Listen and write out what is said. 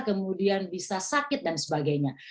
kemudian bisa sakit dan sebagainya